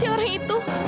tidak ada yang tahu